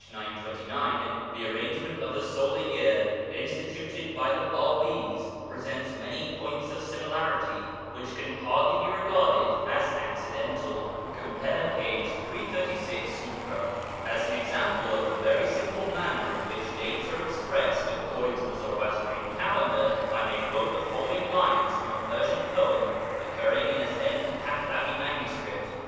929), the arrangement of the solar year instituted by the Babis presents many points of similarity which can hardly be regarded as accidental. ^ As an example of the very simple manner in which dates are expressed according to the Zoroastrian calendar, I may quote the following lines from a Persian poem occurring ":in a Zend Pahlavi MS.